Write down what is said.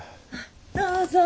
どうぞ。